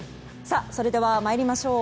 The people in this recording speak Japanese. それでは参りましょう。